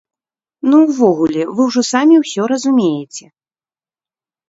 Ну, увогуле, вы ўжо самі ўсё разумееце!